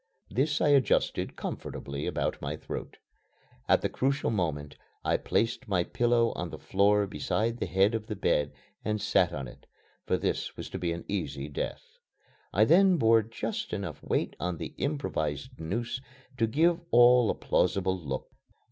This I adjusted comfortably about my throat. At the crucial moment I placed my pillow on the floor beside the head of the bed and sat on it for this was to be an easy death. I then bore just enough weight on the improvised noose to give all a plausible look.